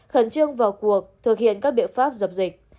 khẩn trương vào cuộc thực hiện các biện pháp dập dịch